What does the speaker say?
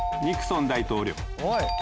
ニクソン大統領。